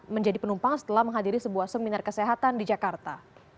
menjadi penumpang setelah menghadiri sebuah seminar kesehatan di jakarta